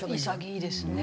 潔いですね。